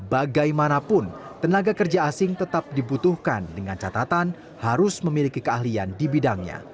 bagaimanapun tenaga kerja asing tetap dibutuhkan dengan catatan harus memiliki keahlian di bidangnya